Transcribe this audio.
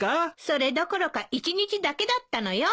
それどころか一日だけだったのよ。